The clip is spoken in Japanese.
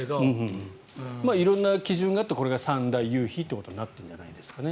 色んな基準があってこれが三大夕日ということになってるんじゃないですかね。